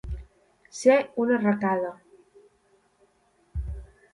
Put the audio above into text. Ser una arracada.